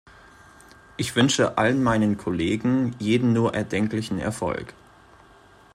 Ich wünsche allen meinen Kollegen jeden nur erdenklichen Erfolg.